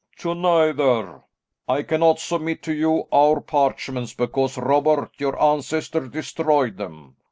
"To neither. I cannot submit to you our parchments because Robert, your ancestor, destroyed them.